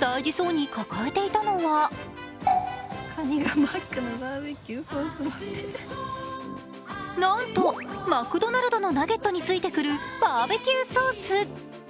大事そうに抱えていたのはなんとマクドナルドのナゲットについてくるバーベキューソース。